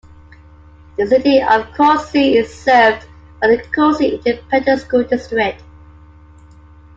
The City of Kountze is served by the Kountze Independent School District.